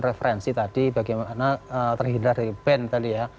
referensi tadi bagaimana terhindar dari band tadi ya